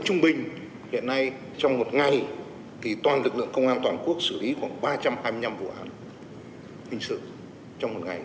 trung bình hiện nay trong một ngày thì toàn lực lượng công an toàn quốc xử lý khoảng ba trăm hai mươi năm vụ án hình sự trong một ngày